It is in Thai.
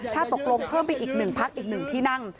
ถ้าตกลงเพิ่มไปอีก๑พักอีก๑ที่นั่ง